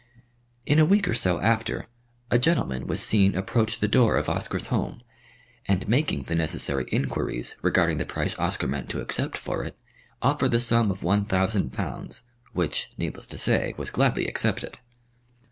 In a week or so after, a gentleman was seen approach the door of Oscar's home, and making the necessary inquiries regarding the price Oscar meant to accept for it, offered the sum of one thousand pounds, which, needless to say, was gladly accepted.